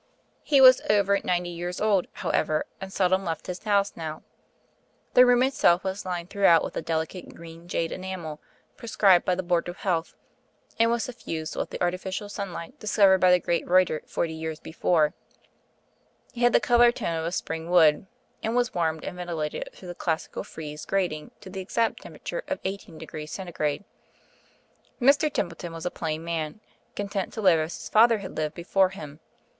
He was over ninety years old, however, and seldom left his house now. The room itself was lined throughout with the delicate green jade enamel prescribed by the Board of Health, and was suffused with the artificial sunlight discovered by the great Reuter forty years before; it had the colour tone of a spring wood, and was warmed and ventilated through the classical frieze grating to the exact temperature of 18 degrees Centigrade. Mr. Templeton was a plain man, content to live as his father had lived before him.